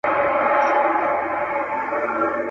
چي وهل یې د سیند غاړي ته زورونه.